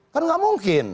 kan tidak mungkin